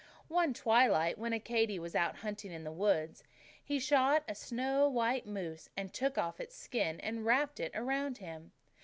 "One twilight, when Accadee was out hunting in the woods, he shot a snow white moose; and he took off its skin and wrapped it around him.